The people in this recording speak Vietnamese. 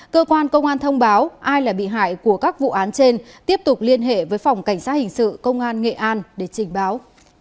cơ quan công an thông báo ai là bị hại của các vụ án trên tiếp tục liên hệ với phòng cảnh sát hình sự công an nghệ an để trình báo